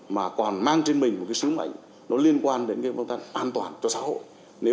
mà còn mang trên mình một cái sứ mệnh nó liên quan đến cái công tác an toàn cho xã hội